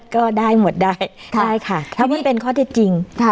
ก็ได้หมดได้ได้ค่ะถ้ามันเป็นข้อเท็จจริง